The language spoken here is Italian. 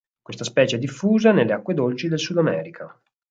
Questa specie è diffusa nelle acque dolci del Sudamerica.